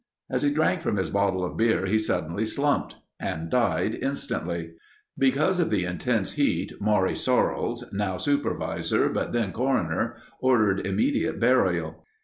As he drank from his bottle of beer he suddenly slumped—and died instantly. Because of the intense heat, Maury Sorrells, now Supervisor but then Coroner, ordered immediate burial.